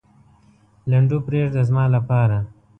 لنډو پرېږده زما لپاره.